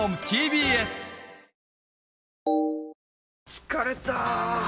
疲れた！